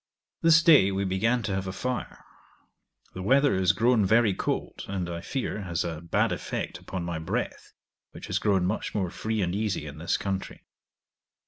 This day we began to have a fire. The weather is grown very cold, and I fear, has a bad effect upon my breath, which has grown much more free and easy in this country.